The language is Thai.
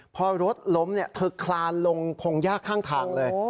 พอรถล้มเธอคลานลงพงยากข้างทางเลย